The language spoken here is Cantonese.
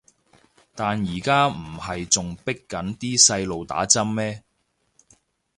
但而家唔係仲迫緊啲細路打針咩